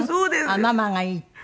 あっママがいいって？